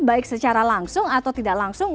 baik secara langsung atau tidak langsung